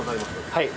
はい。